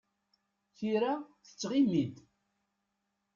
Tira tettɣimi-d.